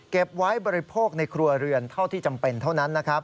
เก็บไว้บริโภคในครัวเรือนเท่าที่จำเป็นเท่านั้นนะครับ